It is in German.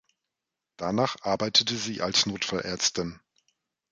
Danach arbeitete sie als Notfall-Ärztin.